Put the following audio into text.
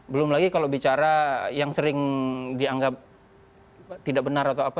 belum lagi kalau bicara yang sering dianggap tidak benar atau apa